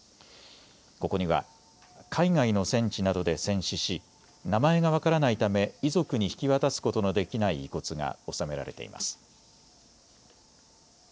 ここには海外の戦地などで戦死し、名前が分からないため遺族に引き渡すことのできない遺骨が納められています。